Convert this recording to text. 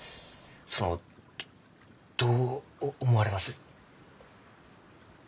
そのどう思われます？